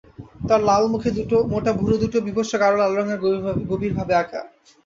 তার লাল মুখে মোটা ভুরুদুটোও বীভৎস গাঢ় লাল রঙে গভীরভাবে আঁকা।